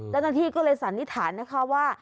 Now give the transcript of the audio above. เจ้าหน้าที่ก็เลยสันนิษฐานนะคะว่า